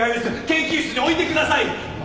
研究室に置いてください！